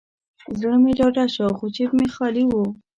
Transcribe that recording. زړه مې ډاډه شو، خو جیب مې خالي و.